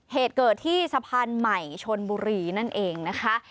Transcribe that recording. เหตุเกิดที่สะพานใหม่ชนบุรีนั่นเองนะคะ